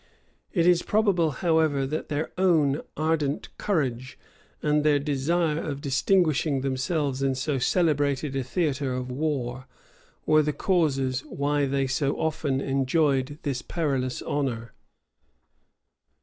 [*] It is probable, however, that their own ardent courage, and their desire of distinguishing themselves in so celebrated a theatre of war, were the causes why they so often enjoyed this perilous honor.